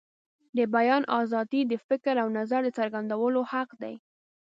د بیان آزادي د فکر او نظر د څرګندولو حق دی.